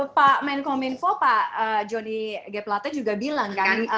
pak menkom info pak johnny geplatte juga bilang kan